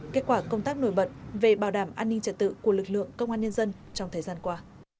kết quả công tác nổi bật về bảo đảm an ninh trật tự của lực lượng công an nhân dân trong thời gian qua